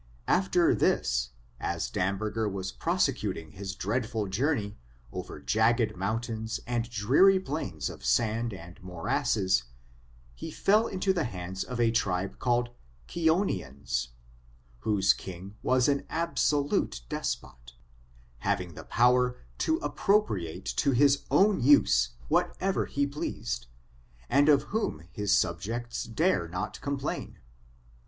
After this, as Damberger was prosecuting his dread ful journey, over jagged mountains and dreary plains of sand and morasses, he fell into the hands of a tribe called KianianSj whose king was an absolute despot ; having the power to appropriate to his own use whatever he pleased, and of whom his subjects dare not complain.